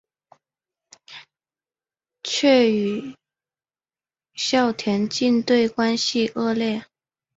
却与校田径队关系恶劣。